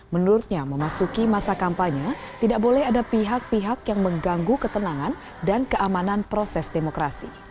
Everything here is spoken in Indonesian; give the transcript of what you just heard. menurutnya memasuki masa kampanye tidak boleh ada pihak pihak yang mengganggu ketenangan dan keamanan proses demokrasi